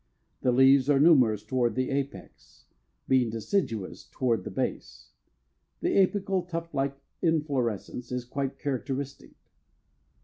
The leaves are numerous toward the apex, being deciduous toward the base. The apical tuftlike inflorescence is quite characteristic.